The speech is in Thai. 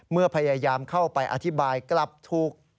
พยายามเข้าไปอธิบายกลับถูก